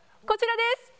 こちらです。